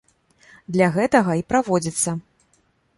Для гэтага і праводзіцца.